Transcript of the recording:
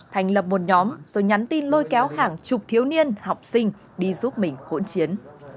thành lập một nhóm rồi nhắn tin lôi kéo hàng chục thiếu niên học sinh đi giúp mình hỗn chiến